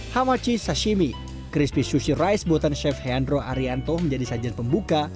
hamachi sashimi crispy sushi rice buatan chef hendro haryanto menjadi sajian pembuka